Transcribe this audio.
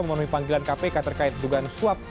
memenuhi panggilan kpk terkait jugaan swap